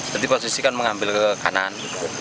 jadi posisi kan mengambil ke kanan